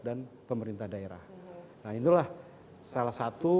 dan pemerintah daerah nah itulah salah satu